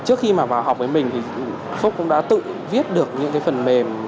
trước khi mà vào học với mình thì phúc cũng đã tự viết được những cái phần mềm